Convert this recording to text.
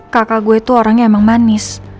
kakak gue itu orangnya emang manis